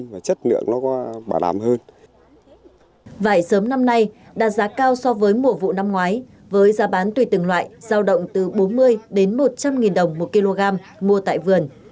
vải sớm năm nay đạt giá cao so với mổ vụ năm ngoái với giá bán tùy từng loại giao động từ bốn mươi đến một trăm linh đồng một kg mua tại vườn